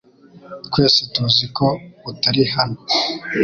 Twese tuzi ko utari hano